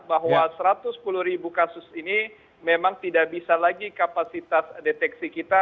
bahwa satu ratus sepuluh ribu kasus ini memang tidak bisa lagi kapasitas deteksi kita